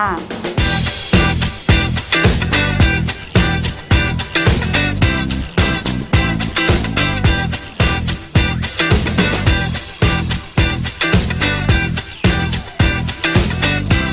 มีวันหยุดเอ่ออาทิตย์ที่สองของเดือนค่ะเป็นวันหยุดเอ่ออาทิตย์ที่สองของเดือนค่ะ